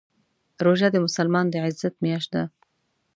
روژه د مسلمان د عزت میاشت ده.